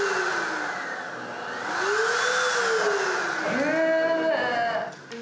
へえ。